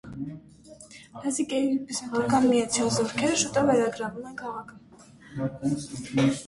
Լազիկեի ու բյուզանդական միացյալ զորքերը շուտով վերագրավում են քաղաքը։